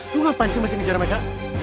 lo ngapain sih masih ngejar meka